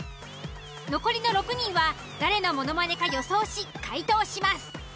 残りの６人は誰のものまねか予想し解答します。